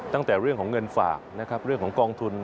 ตั้งแต่เรื่องของเงินฝากนะครับเรื่องของกองทุน